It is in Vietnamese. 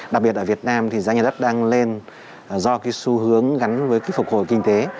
đặc biệt ở việt nam thì giá nhà đất đang lên do cái xu hướng gắn với cái phục hồi kinh tế